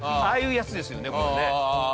ああいうやつですよねこれね。